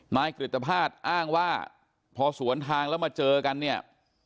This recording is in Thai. นายกฤตภาษณ์อ้างว่าพอสวนทางแล้วมาเจอกันเนี่ย